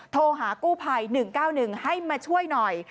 โทรหากู้ภัย๑๙๑ให้มาช่วยหน่อย